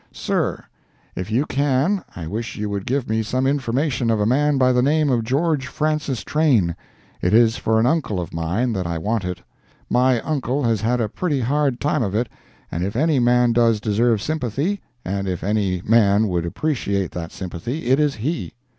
SIR: If you can, I wish you would give me some information of a man by the name of George Francis Train. It is for an uncle of mine that I want it. My uncle has had a pretty hard time of it, and if any man does deserve sympathy, and if any man would appreciate that sympathy, it is he.